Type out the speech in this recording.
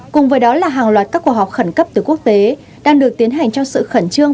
cùng với đó là hàng loạt các cuộc họp khẩn cấp từ quốc tế đang được tiến hành trong sự khẩn trương